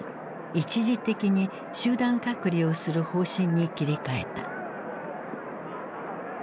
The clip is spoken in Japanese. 一時的に集団隔離をする方針に切り替えた。